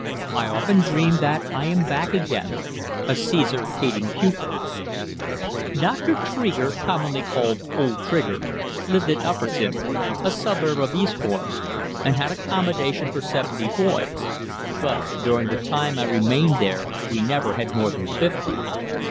I often dream that I am back again, a Cæsar hating pupil. Dr. Tregear, commonly called "Old Trigger," lived at Upperton, a suburb of Eastbourne, and had accommodation for seventy boys, but during the whole time I remained there we never had more than fifty.